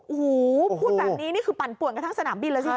โอ้โฮพูดแบบนี้นี่คือปั่นป่วนกับทั้งสนามบินแล้วสิครับ